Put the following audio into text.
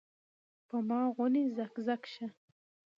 پۀ ما غونے زګ زګ شۀ ـ